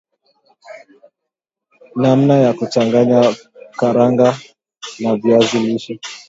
namna ya kuchanganya karanga na viazi lishe